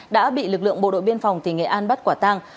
đã bị lực lượng bộ đội biên phòng tỉnh nghệ an bắt quả tang